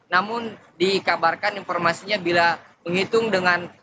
namun dikabarkan informasinya bila menghitung dengan